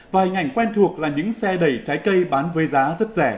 và hình ảnh quen thuộc là những xe đẩy trái cây bán với giá rất rẻ